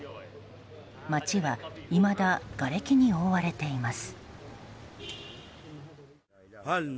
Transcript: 街は、いまだがれきに覆われています。